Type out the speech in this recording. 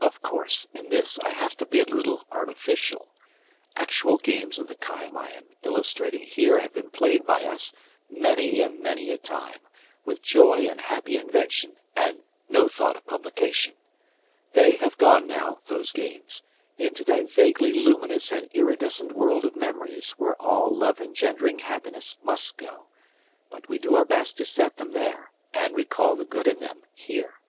Of course, in this I have to be a little artificial. Actual games of the kind I am illustrating here have been played by us, many and many a time, with joy and happy invention and no thought of publication. They have gone now, those games, into that vaguely luminous and iridescent into which happiness have tried out again points in world of memories all love engendering must go. But we our best to set them and recall the good them here.